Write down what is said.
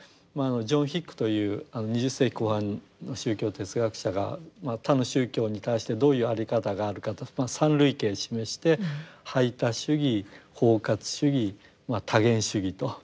ジョン・ヒックという２０世紀後半の宗教哲学者が他の宗教に対してどういう在り方があるかと３類型示して排他主義包括主義多元主義と。